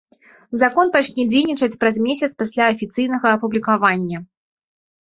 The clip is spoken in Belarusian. Закон пачне дзейнічаць праз месяц пасля афіцыйнага апублікавання.